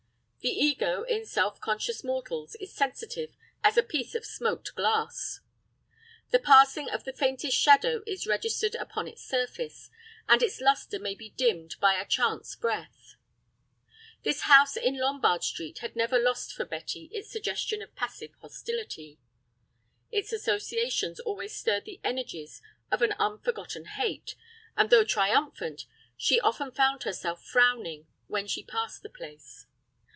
The ego in self conscious mortals is sensitive as a piece of smoked glass. The passing of the faintest shadow is registered upon its surface, and its lustre may be dimmed by a chance breath. This house in Lombard Street had never lost for Betty Steel its suggestion of passive hostility. Its associations always stirred the energies of an unforgotten hate, and though triumphant, she often found herself frowning when she passed the place.